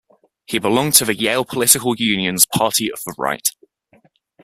He belonged to the Yale Political Union's Party of the Right.